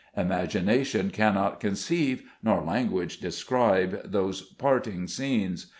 Imagina tion cannot conceive, nor language describe, those parting scenes.